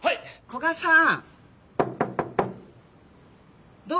古雅さん！